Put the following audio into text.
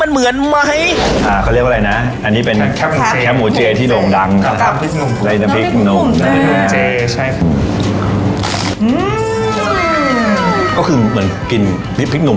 เหมือนครับหูที่ไม่มีมัน